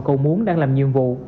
cầu muốn đang làm nhiệm vụ